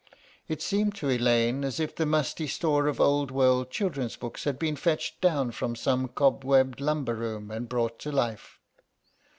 It seemed to Elaine as if a musty store of old world children's books had been fetched down from some cobwebbed lumber room and brought to life.